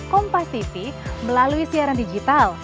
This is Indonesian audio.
kompas tv melalui siaran digital